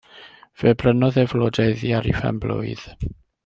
Fe brynodd e flode iddi ar 'i phen-blwydd.